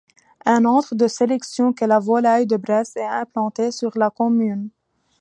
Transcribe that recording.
Un centre de sélection de la volaille de Bresse est implanté sur la commune.